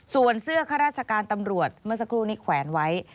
ส่วนเสื้อข้าราชการตำรวจเมื่อสักครู่นี้แขวนไว้